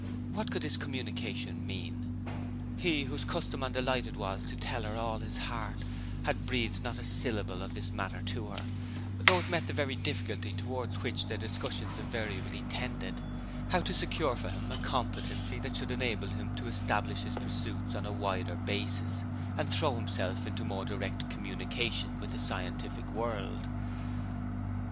What could this communication mean? He whose custom and delight it was to tell her all his heart, had breathed not a syllable of this matter to her, though it met the very difficulty towards which their discussions invariably tended how to secure for him a competency that should enable him to establish his pursuits on a wider basis, and throw himself into more direct communion with the scientific world.